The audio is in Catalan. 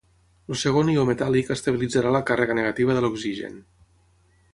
El segon ió metàl·lic estabilitzarà la càrrega negativa de l'oxigen.